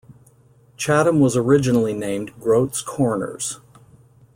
Chatham was originally named Groats Corners.